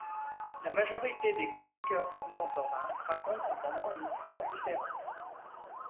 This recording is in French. La majorité des chroniqueurs contemporains racontent cependant une histoire différente.